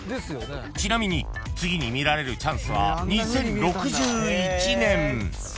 ［ちなみに次に見られるチャンスは２０６１年］